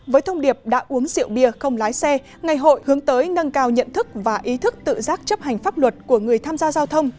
với thông điệp đã uống rượu bia không lái xe ngày hội hướng tới nâng cao nhận thức và ý thức tự giác chấp hành pháp luật của người tham gia giao thông